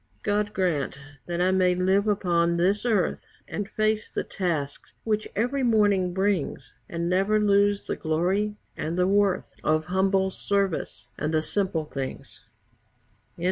God grant that I may live upon this earth And face the tasks which every morning brings, And never lose the glory and the worth Of humble service and the simple things.